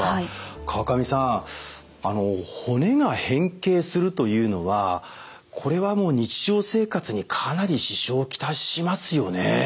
川上さん骨が変形するというのはこれはもう日常生活にかなり支障を来しますよね。